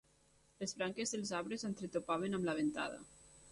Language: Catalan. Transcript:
Les branques dels arbres entretopaven amb la ventada.